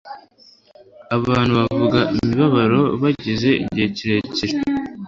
Abantu bavuga imibabaro bagize igihe kirekire,